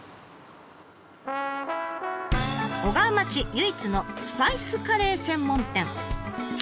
小川町唯一のスパイスカレー専門店。